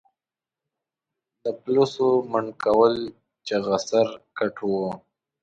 د پلوڅو، منډکول چغه سر، ګټ و